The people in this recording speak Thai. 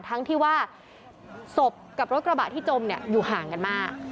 ทั้งที่ว่าศพกับรถกระบะที่จมอยู่ห่างกันมาก